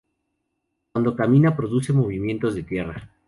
Cuando camina produce movimientos de tierra.